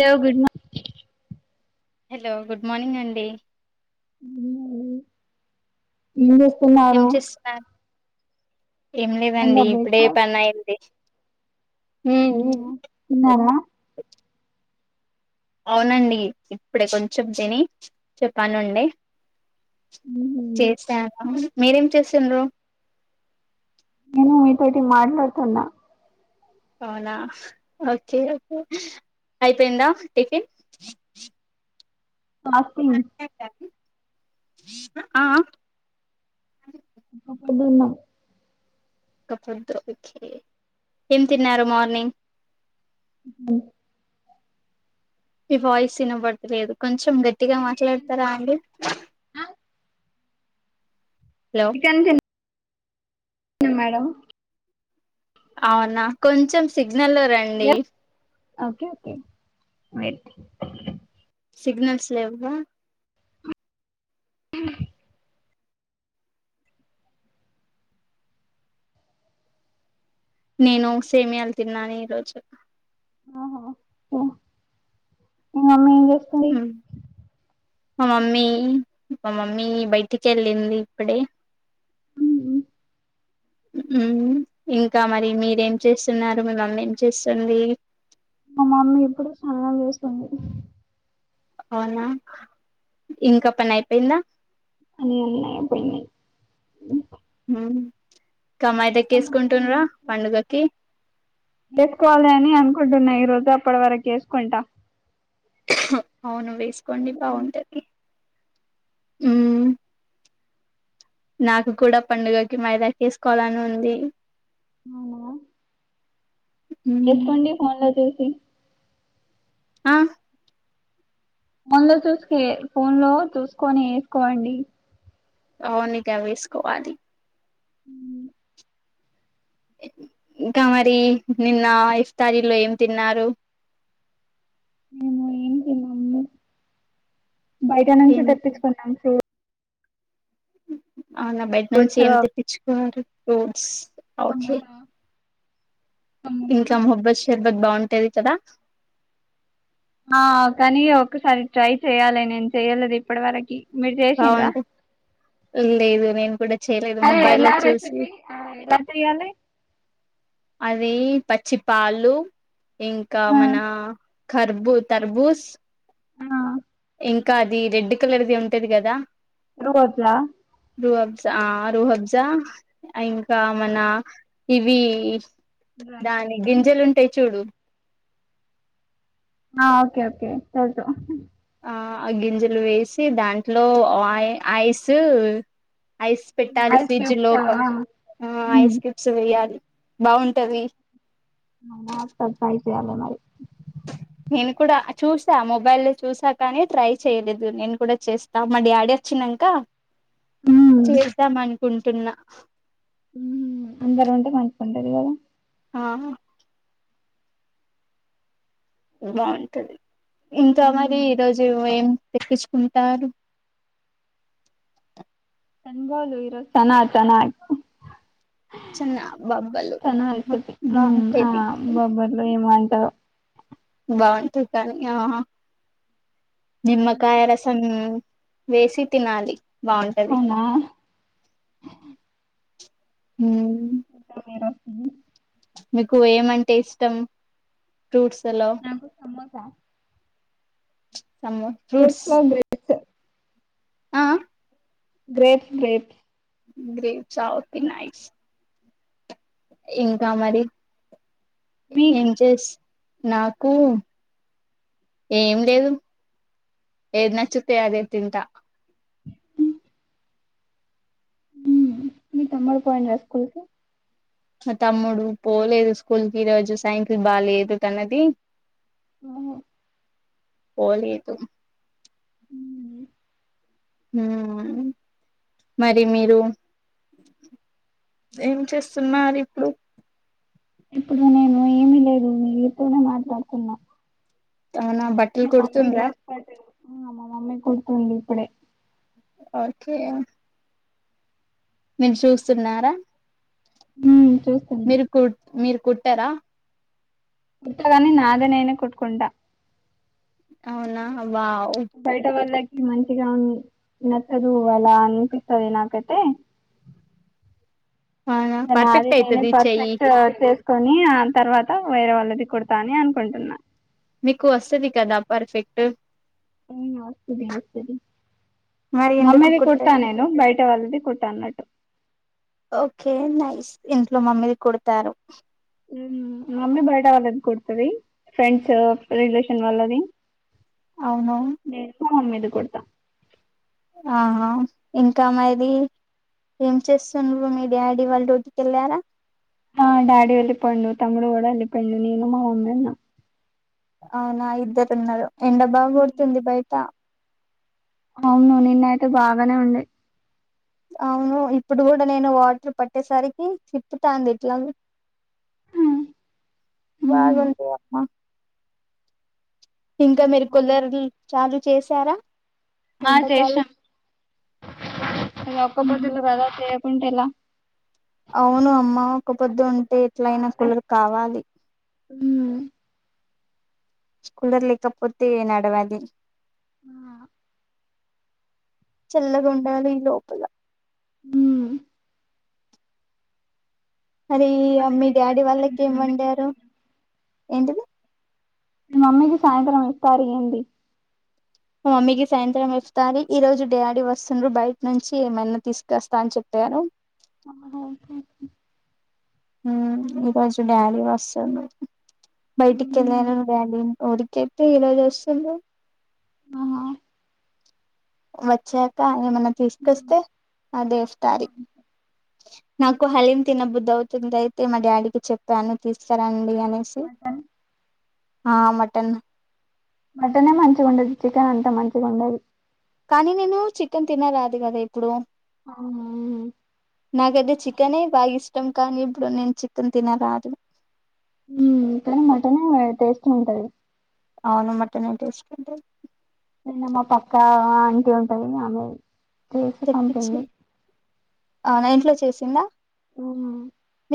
లో good morning hello good morning అండి ఉహు ఏం ఏం చేస్తున్నారు చేస్తున్నారు ఏం అయిందా లేదండి ఇప్పుడే బ్రేక్ఫాస్ట్ పని అయింది ఉ ఉ తిన్నారా అవునండి ఇప్పుడే కొంచెం తిని పనుండి చేసను మీరేం చేసారు నేను నీతోటి మాట్లాడుతున్నా అవునా ఓకే ఓకే అయిపోయిందా టిఫిన్ ఫాస్టింగ్ ఆ ఆ [inaudible] ఒక్కపోద్దు ఓకే ఏం తిన్నారు మార్నింగ్ [inaudible] నీ వాయిస్ వినబడతలేదు కొంచెం గట్టిగా చికెన్ చికెన్ మాట్లాడతారా తిన్నా అండి హలో చికెన్ మేడం అవునా కొంచెం సిగ్నల్ రండి ఓకే ఓకే సిగ్నల్స్ లెవ్వు అ నేను సేమ్యలు తిన్నాను ఈరోజు ఆహ మీ మమ్మీ ఏం చేస్తుంది మా మమ్మీ మా మమ్మీ బయటికి వెళ్ళింది ఇప్పుడే [inaudible] ఇంకా మరి మీరేం చేస్తున్నారు మీ మమ్మీ ఏం చేస్తుంది మా మామీ ఇప్పుడు స్నానం చేస్తుంది అవునా ఇంకా పని అయిపోయిందా అని అయిపోయినాయి హ కమ్మాయి దక్కేసుకుంటుండ్రా పండుగకి [inaudible] చేసుకోవాలి అని అనుకుంటున్నా ఈ రోజు అప్పటి వరకు వేసుకుంటా అవును వేసుకోండి బాగుంటది నాకు కూడా పండుగకి మైదాకిసుకోవాలని ఉంది అవునా వేసుకోండి ఫోన్ లో చూసి ఆ ఫోన్ లో చూసుక ఫోన్ లో చూసుకొని వేసుకోండి అవునిగా వేసుకోవాలి అ ఇంకా మరి నిన్న ఇఫ్తారీలో ఏం తిన్నారు నే ఏం తినాలా అండి బయట నుంచి తెప్పించుకున్నాం ఫూ అవున బయట నుంచి ఫ్రూట్స్ ఏం తెప్పించుకునారు ఫ్రూట్ సమోసా సమోసా ఇంకా మహబ్బత్ షెబ్బత్ బాగుంటేది కదా ఆ కానీ ఒసారి ట్రై చెయ్యాలి నేను చెయ్యలేదు ఇప్పటి వరకి మీరు చేసిరా బాగుంటే లేదు నేను కూడా చేయలేదు అరే మొబైల్లో ఎలా చూసి రెసిపీ ఎలా చెయాలి అది పచ్చి పాలు ఇంకా ఆ మన ఖర్బు తర్బూజ్ ఆ ఇంకా అదీ రెడ్ కలర్ది ఉంటది కదా ఎరుకోచ్చా రూహబ్జా రూహబ్జా ఇంకా మన ఇవీ డ్రై దాని ఫ్రూట్స్ గింజలుంటాయ్ చూడు ఆ ఓకే ఓకే ఆ ఆ గింజలు వేసి దాంట్లో ఆయ్ ఐస్ ఐస్ పెట్టాలి ఐస్ ఫ్రిడ్జ్ క్యూబ్స్ ఆ లోకం అవునా ఆ ఐస్ క్యుప్స్ వేయాలి బాగుంటదీ చేయాలా మరి నేను కూడా చూసా మొబైల్ చూసా కానీ ట్రై చేయలేదు నేను కూడా చేస్తా మ డిడాడీ చినంక ఉమ్ చేద్దాం అనుకుంటున్న అందర్ ఉంటె మంచ్గుండద్ గదా ఆ బాగుంటది ఇంకా మరి ఈ ఉమ్ రోజు ఏం ఎకిచ్కుంటారు తన్ళలు ఇరో తనా తనాల్ చిన్న బొబ్బలు [inaudible] మ్ హా బాగుంటది బొబ్బర్లొ ఏమొ టా బాగుంటది కాన్ ఆహా నిమ్మకాయ రసమ్ వేసి తినాలి బాగుంటది అవునా మ్ ఇంట మరా స మికు ఏమంటె ఇష్టం ఫ్రూట్స్ నాకు సమోస సమో ఫ్రూట్స్ లో గ్రేప్స్ ఆ అ గ్రేప్ గ్రేప్ గ్రీప్సా ఓకె నాయిస్ ఇంకా మరి ఏం మీకి చేస్ నాకూ ఏం లేదు ఏద్ నచ్చతే అదే తింట మీ తమ్మడ్ పోయిండా స్కూల్కి మ తమ్ముడు పోలేదు స్కూల్ కి ఈ రోజ్ సైకిల్ బాలేదు తనది మ్ హ్ పోలేదు మ్ మ్ మరి మీరు ఏం చేస్తున్నార్ ఇప్పుడు ఇప్పుడు నేను ఏమి లేదు మీతోనే మాట్లాడ్తున్నా అవునా బట్టలు మా మమ్మీ కుడుతుండ్రా డ్రెస్ పా మా మమ్మీ కుడుతుండి ఇప్పుడే ఓకే మీరు చూస్తున్నారా ఉమ్ చూస్తున్నా మీరు కుడ్ మీర్ కుట్టరా కుట్టగాని నాది నేనే కుట్టుకుంటా ఔనా వావ్ బయట వాళ్ళకి మంచిగా ఉ నచ్చదు అలా అనిపిస్తది నాకైతే అవునా టె నాది పర్ఫెక్ట్ నేనే అయితది చెయ్యి పర్ఫెక్ట్ చేసుకొనీ ఆ తర్వాత వేరే వాళ్ళది కుడతా అనీ అనుకుంటున్నా మీకు వస్సది కదా పర్ఫెక్ట్ మ్ వస్తది వస్తది మరి ఎందుకు మమ్మీది కుట్ట కొట్టాన నేను బయట వాల్ది కొట్టాను ఓకే నైస్ ఇంట్లో మమ్మీది కుడతారు మమ్మీ బయట వాళ్ళది కుడతుది ఫ్రెండ్స్ రిలేషన్ వాల్లది అవునా మమ్మీది కుడతా ఆహా ఇంకా మాది ఏం చేస్తుండవు మీ డాడీ వాళ్ళు డ్యూటీ కి వెళ్ళారా ఆ డాడీ వెళ్ళిపోయిండు తమ్ముడు కూడా వెళ్ళిపోయిండు నేను మా మమ్మీ ఉన్నాం అవునా ఇద్దరు ఉన్నారు ఎండ బాగా ఉమ్, పడుతుంది బయట అవును నిన్న అయితే బాగానే ఉండే అవును ఇప్పుడు కూడా నేను వాటర్ పట్టేసరికి తిప్పుతాంది ఇట్లా ఉమ్, ఉమ్, బాగాంత అమ్మా ఇంకా అవును, మీరు బాగానే ఉంది. కొలరులు చాలు చేసారా ఆ ఎండాకాలం చేసాం ఇ ఒక్క పొద్దులు కదా చేయకుంటే ఎలా అవును అమ్మ ఒక పొద్దు ఉంటే ఎట్ల అయినా కులరు కావాలి కులర్ లేకపోతే నడవది ఆ చెల్లగుండలీ లోపలా మ్మ్ మరి ఇంకా మీ మీరు డాడీ ఏమండుతారు మీ వాళ్ళకి ఏం మమ్మీకి వండారు సాయంత్రం ఏంటిది మా అమ్మకు సాయంత్రం ఇస్తారు ఇయ్యండి మా మమ్మీకి సాయంత్రం ఇప్తి ఈ రోజు డాడీ వస్తుండ్రూ బయట నుంచి ఏమైన్నా తీసుకొస్తా అని చెప్ ఆ ఆ ఒకే హ్మ్‌ ఈరోజు డాడీ వస్తుందు బయటికి వెళ్ళారు కానీ ఒకరికేతే ఈరోజుచేస్తుండ్రూ ఆహా వచ్చాక ఏమన్నా తీసుకొస్తే ఆ దేస్తాది నాకు హలీం తినబుద్దు అవుతుంది అయితే మా డాడీకి చెప్పాను తీసుకురండి అనేసి మటన్ ఆ మటన్ మటనే మంచిగా ఉండదు చికెన్ అంతా మంచిగా ఉండదు కానీ నేను చికెన్ తిన రాదు కదా ఇప్పుడు నాకైతే చికెనే బాగా ఇష్టం ఇష్టం కానీ ఇప్పుడు నేను చికెన్ తినరాదు హ్మ్ కానీ మటనే టేస్ట్గా ఉంటది అవును మటనే టేస్ట్ ఉంటది నిన్న మా పక్కా ఆంటీ ఉంటది ఆమె చేసి తెప్పించి పంపింది అవునా ఇంట్లో చేసిందా హ్మ్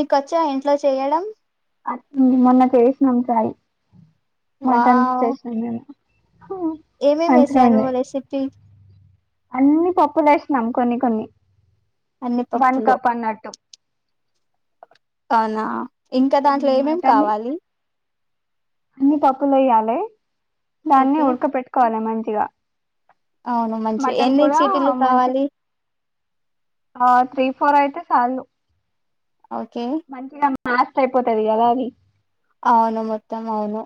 మీకొచ్చా ఇంట్లో చేయడం మొన్న చేసినాం కాయ్ మటన్ వావ్ చేసినాం నేము ఏమేమి వేసారు అంతఅండి రెసిపీ అన్ని పప్పులేసినం కొన్ని కొన్ని అన్ని వన్ పప్పులు కప్ అన్నట్టు అవునా ఇంకా దాంట్లో ఏమేంమేం మటన్ కావాలి అన్ని పప్పులేయ్యాలి దాన్ని ఓకే ఉడక పెట్టుకోవాలి మంచిగా అవును మంచి మటన్ ఎన్ని కూడా చీటీలు కావాలి ఆ త్రీ ఫోర్ అయితే చాలు ఓకే ఫాస్ట్ అయిపోతది కద అది అవును మొత్తం అవును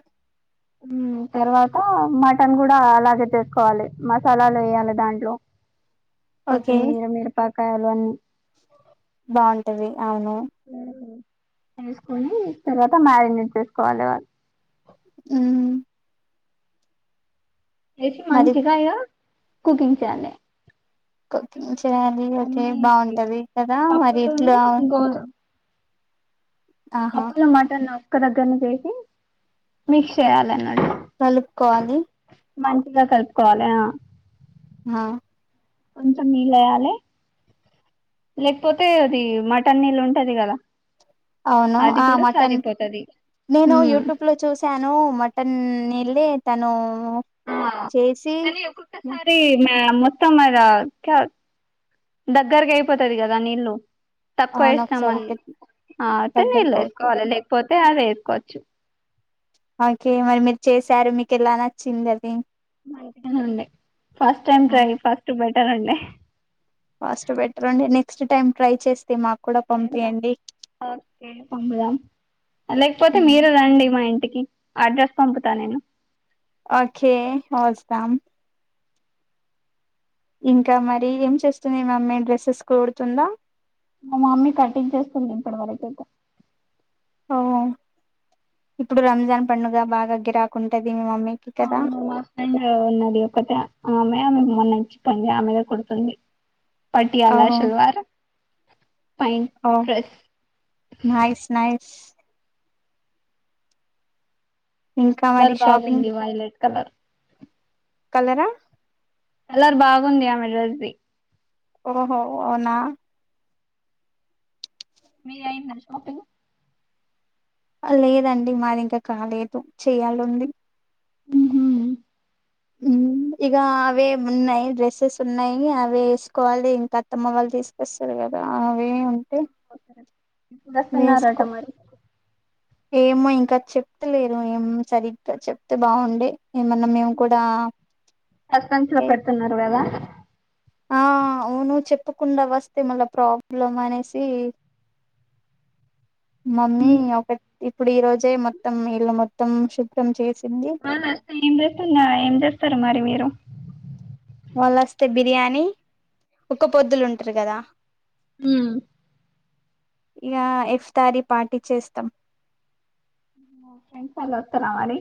తర్వాత మటన్ కూడా అలాగే చేసుకోవాలి మసాలాలు వేయాలి దాంట్లో నో సౌండ్ కొత్తిమీర మిరపకాయలు అన్నీ బాగుంటది అవును వేసుకుని తర్వాత మ్యారినేట్ చేసుకోవాలి వాళ్ళు ఉ వేసి మరి మంచిగా కుకింగ్ చేయాలి కుకింగ్ చేయాలి ఓకే అన్ని బాగుంటది కదా మరి పప్పులోను ఇట్లా ఆహా పప్పుల మటన్ ఒక్క దగ్గర చేసి మిక్స్ చేయాలన్నాడు కలుపుకోవాలి మంచిగా కలుపుకోవాలి ఆ ఆ కొంచెం నీళ్ళయాలి లేకపోతే అది మటన్ నీళ్ళు ఉంటది కదా అవును అది ఆ కూడా మటన్ సరిపోతది నేను హ్మ్ యూట్యూబ్ లో చూశాను మటన్ తను వెళ్లి తను చేసి కానీ ఒక్కొక్కసారి మొత్తం ఇగ దగ్గరకి అయిపోతది కదా నీళ్లు తక్కువ అవును ఒకసారి వేస్తామని ఇక్కడ అతే దగ్గరకి నీళ్ళు వేసుకోవాలి అవుతుంది లేకపోతే అది వేసుకోవచ్చు ఓకే మరి మీరు చేసారు మీకు ఇలా నచ్చింది అది మంచిగానే ఉంది first time try first better అండి ఫస్ట్ బెటర్ అండి నెక్స్ట్ టైమ్ ట్రై చేస్తే మాకు కూడా చేద్దాం పంపియండి ఓకే పంపుదాం లేకపోతే మ్మ్. మీరే రండి మా ఇంటికి అడ్రస్ పంపుతా నేను ఓకే వస్తస్తాం ఇంకా మరి ఏం చేస్తుంది మమ్మీ డ్రెస్సెస్ కోడుతుందా మా మమ్మీ కట్టించేస్తుంది ఇప్పటి వరక అయితే ఓ ఇప్పుడు రంజాన్ పండుగ బాగాగిరాకుంటది మీ మమ్మీ అవును మా ఫ్రెండ్ ఉన్నది ఒక్కతే ఆమె ఆమెకు మొన్నంచిప్పందింది ఆమెద కొడుతుంది పట్ట్యాల ఓహో శల్వార్ ఓ నైస్ నయిస్ ఇంకా మరి కలర్ షాపింగ్ బాగుంది వైలేెట్ కలర్ కలరా కలర్ బాగుంది డ్రెస్ ది ఓహో అవునా మీది అయిందా షాపింగ్ లేదండి మాది ఇంకా కాలేదు చేయాలంది ఉ హు ఉ ఇక అవే ఉన్నాయి డ్రెస్సెస్ ఉన్నాయి అవి వేసుకోవాలి ఇంకా అత్తమ్మ వాళ్ళు తీసుకొస్తారు కదా కదా అవి ఉంటే ఎప్పుడొస్తున్నారట వేసుకో మరి ఏమో ఇంకా చెప్తలేరు ఏం సరిగ్గా చెప్తే బాగుండే ఏమన్నా మేము కూడా సస్పెన్స్ లో పెడుతున్నారు కదా ఆ అవును చెప్పకుండా వస్తే మళ్ళా ప్రాబ్లం అనేసి మమ్మీ ఒక ఇప్పుడు ఈ రోజే మొత్తం వీళ్ళ మొత్తం శుభ్రం చేసి ఆ ఏం చేస్తుంద ఏం చేస్తారు మరి మీరు వాళ్ళ వస్తే బిర్యానీ ఒక పొద్దులు ఉంటారు కదా ఊమ్ ఇగ ఇఫ్తారీ పార్టీ చేస్తాం మా ఫ్రెండ్స్ ఆల్ వత్తరా మరి